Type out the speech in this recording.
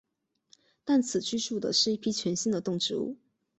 但此居住的是一批全新的动植物。